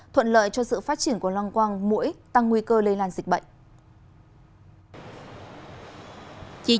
thuận lợi cho sự phát triển của loang quang mũi tăng nguy cơ lây lan dịch bệnh